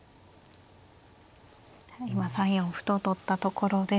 今３四歩と取ったところです。